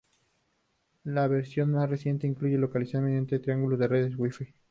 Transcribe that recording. La versión más reciente incluye localización mediante triangulación de redes wifi.